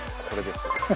これですよ